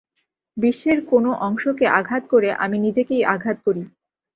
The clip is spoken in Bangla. বিশ্বের কোন অংশকে আঘাত করে আমি নিজেকেই আঘাত করি।